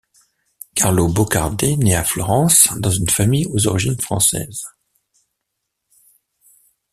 Carlo Baucardé nait à Florence dans une famille aux origines françaises.